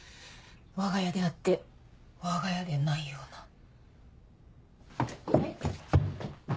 わが家であってわが家でないような。